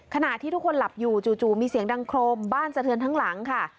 ขณะที่ทุกคนหลับอยู่จู่มีเสียงดังโครมบ้านสะเทือนทั้งหลังค่ะ